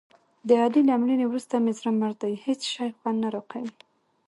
د علي له مړینې ورسته مې زړه مړ دی. هېڅ شی خوند نه راکوي.